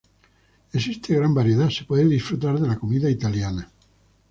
Existe gran variedad, se puede disfrutar de la comida Italiana.